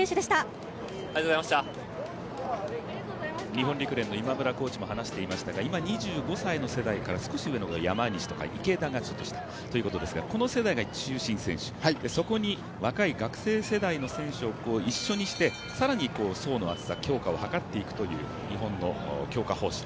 日本陸連の今村コーチも話していましたが今２５歳の世代から少し上の、山西とか池田がちょっとしたということですが、この辺が中心選手、そこに若い学生世代の選手を一緒にして更に層の厚さ、強化を図っていくという日本の強化方針。